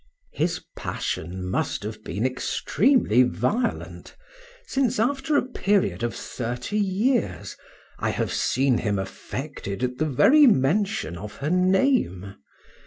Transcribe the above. His passion must have been extremely violent, since after a period of thirty years I have seen him affected at the very mention of her name.